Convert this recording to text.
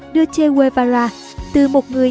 đưa che guevara từ một người